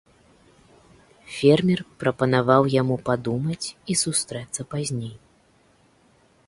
Фермер прапанаваў яму падумаць і сустрэцца пазней.